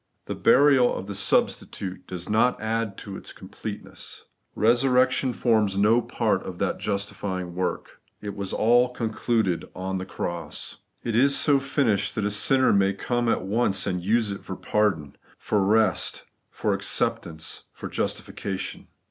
The burial of the substitute does not add to its completeness ; resurrection forms no part of that justifjdng work. It was all concluded on the cross. It is so finished that a sinner may at once use it for pardon, for rest, for acceptance, for justification.